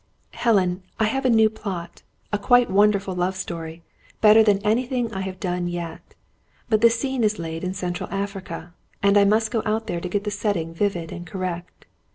"Helen, I have a new plot; a quite wonderful love story; better than anything I have done yet. But the scene is laid in Central Africa, and I must go out there to get the setting vivid and correct.